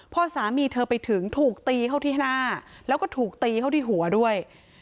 พอสามีเธอไปถึงถูกตีเข้าที่หน้าแล้วก็ถูกตีเข้าที่หัวด้วย